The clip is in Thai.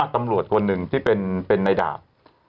ตำรวจคนหนึ่งที่เป็นในดาบ